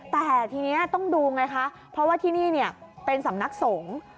แต่ทีนี้ต้องดูไงคะเพราะว่าที่นี่เป็นสำนักสงฆ์